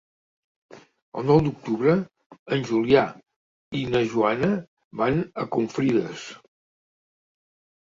El nou d'octubre en Julià i na Joana van a Confrides.